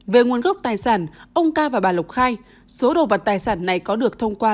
về nguồn gốc tài sản ông ca và bà lộc khai số đồ vật tài sản này có được thông qua